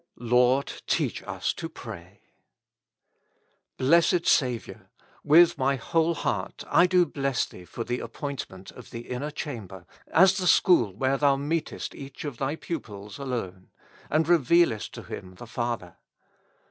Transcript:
''Lord, teach us to pray." Blessed Saviour! with my whole heart I do bless Thee for the appointment of the inner chamber, as the school where Thou meetest each of Thy pupils alone, and revealest to him the Father.